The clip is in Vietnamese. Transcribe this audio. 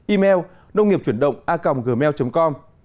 email nông nghiệpchuyểnđộngacomgmail com